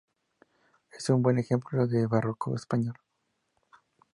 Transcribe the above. Es un buen ejemplo del barroco español.